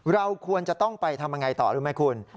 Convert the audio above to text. เราควรจะต้องไปทำยังไงต่อรู้ไหมคุณ